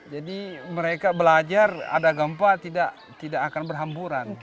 jadi mereka belajar ada gempa tidak akan berhamburan